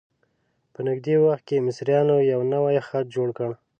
په نږدې وخت کې مصریانو یو نوی خط جوړ کړ.